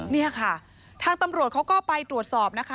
นี่ค่ะทางตำรวจเขาก็ไปตรวจสอบนะคะ